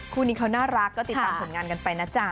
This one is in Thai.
คู่นี้เขาน่ารักก็ติดตามผลงานกันไปนะจ๊ะ